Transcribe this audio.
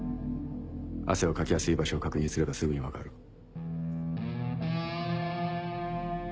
汗をかきやすい場所を確認すればすぐに分かる。